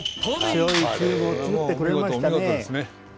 強いチームを作ってくれましたね。